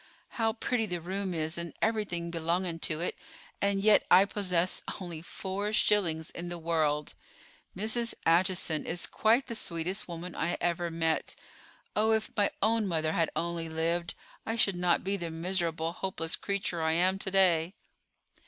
How pretty the room is and everything belonging to it; and yet I possess only four shillings in the world. Mrs. Acheson is quite the sweetest woman I ever met. Oh, if my own mother had only lived. I should not be the miserable, hopeless creature I am to day!"